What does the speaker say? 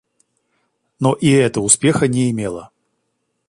Но и это успеха не имело.